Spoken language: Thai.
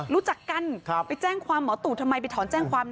รู้จักกันไปแจ้งความหมอตู่ทำไมไปถอนแจ้งความ